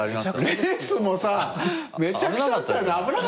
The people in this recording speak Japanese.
レースもめちゃくちゃだったよな。